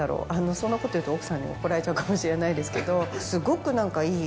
そんなこと言うと奥さんに怒られちゃうかもしれないですけど。